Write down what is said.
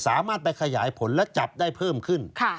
สามารถไปขยายผลและจับได้เพิ่มขึ้น